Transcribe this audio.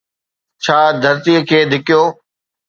ڇا ڌرتيءَ کي ڌڪيو؟